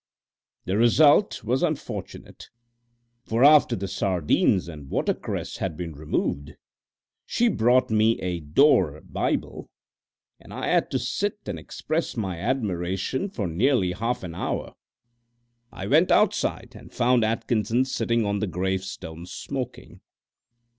The result was unfortunate, for after the sardines and watercress had been removed, she brought me out a Dore Bible, and I had to sit and express my admiration for nearly half an hour. I went outside, and found Atkinson sitting on the gravestone smoking.